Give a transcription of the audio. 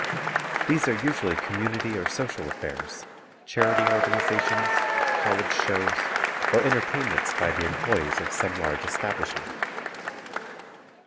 These are usually community or social affairs, charity organizations, college shows, or entertainments by the employees of some large establishment.